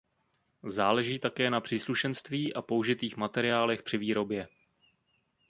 Záleží také na příslušenství a použitých materiálech při výrobě.